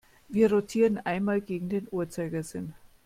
Wir rotieren einmal gegen den Uhrzeigersinn.